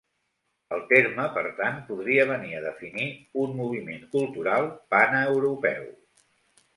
El terme, per tant, podria venir a definir un moviment cultural paneuropeu.